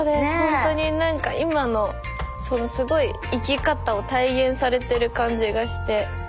ほんとになんか今のすごい生き方を体現されてる感じがして。